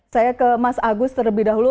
saya ke mas agus terlebih dahulu